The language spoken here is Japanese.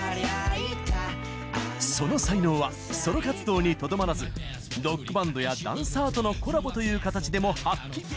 その才能はソロ活動にとどまらずロックバンドやダンサーとのコラボという形でも発揮！